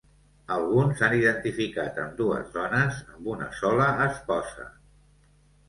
Alguns han identificat ambdues dones amb una sola esposa.